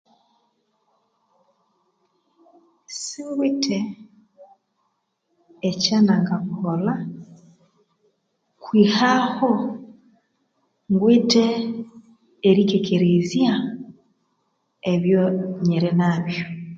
Singwithe ekyanagakolha kwihaho ngwithe erikekerezya ebyonyiri nabyo